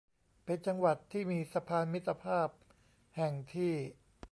เป็นจังหวัดที่มีสะพานมิตรภาพแห่งที่